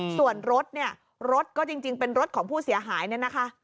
ส่วนรถเนี่ยรถก็จริงเป็นรถของผู้เสียหายเนี่ยนะคะ